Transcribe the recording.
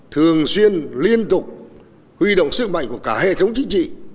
thường xuyên liên tục huy động sức mạnh của cả hệ thống chính trị